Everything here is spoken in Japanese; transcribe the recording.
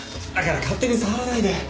だから勝手に触らないで！